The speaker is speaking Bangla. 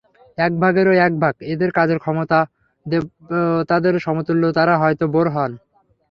একভাগের ও একভাগ, এদের কাজের ক্ষমতা দেবতাদের সমতুল্য তারা হয়ত বোর হন।